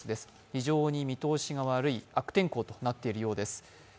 非常に見通しが悪い悪天候となっているようです。